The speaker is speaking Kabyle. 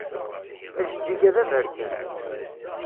Ajeǧǧig-a d aberkan.